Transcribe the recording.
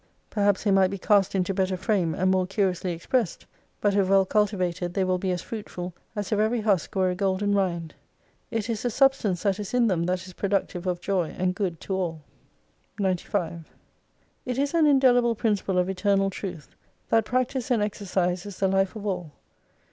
Perhaps they might foe cast into better frame, and more curiously expressed ; but if well cultivated they will be as fruitful, as if every husk were a golden rind. It is the substance that is in them that is produc tive of joy and good to all. 95 It is an indelible principle of Eternal truth, that practice and exercise is the Life of all.